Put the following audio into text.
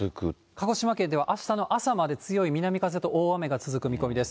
鹿児島県ではあしたの朝まで強い南風と大雨が続く見込みです。